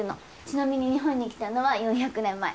ちなみに日本に来たのは４００年前。